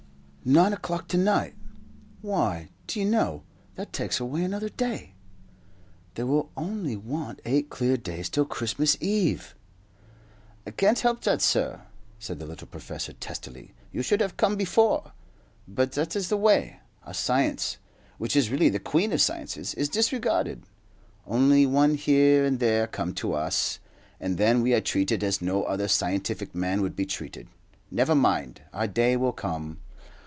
"Nine o'clock to night! Why, do you know, that takes away another day? There will only want eight clear days to Christmas Eve." "I can't help that, sir," said the little professor, testily; "you should have come before. But that is the way. Our science, which is really the queen of sciences, is disregarded; only one here and there comes to us, and then we are treated as no other scientific man would be treated. Never mind, our day will come.